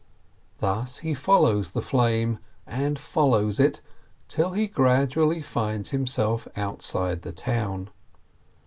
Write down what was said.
Thus he follows the flame, and follows it, till he grad ually finds himself outside the town.